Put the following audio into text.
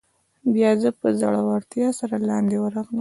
بیا زه په زړورتیا سره لاندې ورغلم.